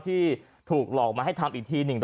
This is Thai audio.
ที่ถูกหลอกมาให้ทำอีกที